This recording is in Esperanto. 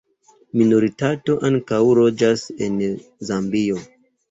Minoritato ankaŭ loĝas en Zambio.